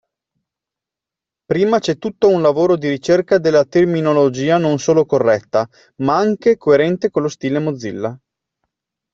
Prima c'è tutto un lavoro di ricerca della terminologia non solo corretta, ma anche coerente con lo stile Mozilla.